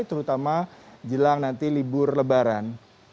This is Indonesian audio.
terutama jelang nanti libur lebaran